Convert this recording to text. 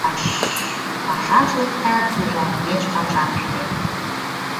Пашаш лектат — пӱжалтмеш пашам ыштет...